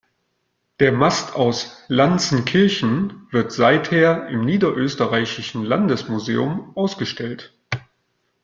Der Mast aus Lanzenkirchen wird seither im niederösterreichischen Landesmuseum ausgestellt.